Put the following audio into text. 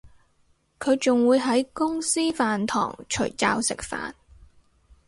佢仲會喺公司飯堂除罩食飯